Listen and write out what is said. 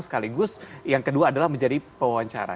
sekaligus yang kedua adalah menjadi pewawancara